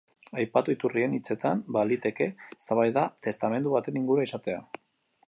Aipatu iturrien hitzetan, baliteke eztabaida testamentu baten ingurua izatea.